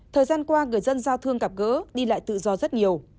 thời gian qua người dân giao thương gặp gỡ đi lại tự do rất nhiều